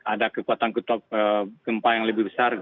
ada kekuatan gempa yang lebih besar